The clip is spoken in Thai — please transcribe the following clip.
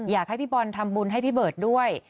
อยากให้พี่บอลทำบุญให้พี่เบิร์ตด้วย